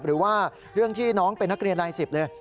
หรือว่าเรื่องที่น้องเป็นนักเรียนราย๑๐เลย